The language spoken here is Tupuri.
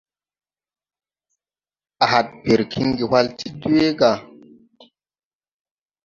A had pir kiŋgi hwal ti dwee ga.